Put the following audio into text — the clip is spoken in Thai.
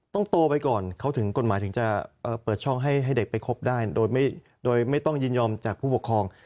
โตไปก่อนเขาถึงกฎหมายถึงจะเปิดช่องให้เด็กไปคบได้โดยไม่ต้องยินยอมจากผู้ปกครอง